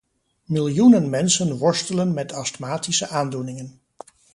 Miljoenen mensen worstelen met astmatische aandoeningen.